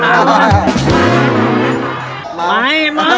เหมาไม่เหมา